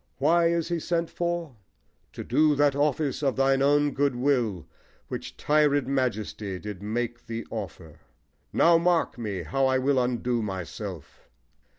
Why is he sent for? To do that office of thine own good will Which tired majesty did make thee offer. Now mark me! how I will undo myself.